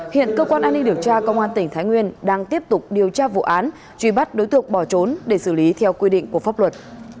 hiện cơ quan an ninh điều tra công an tỉnh thái nguyên đang tiếp tục điều tra vụ án truy bắt đối tượng bỏ trốn để xử lý theo quy định của pháp luật